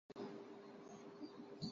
ٻڈھا پرنیج آوے، عاقبت کو چھڄ لاوے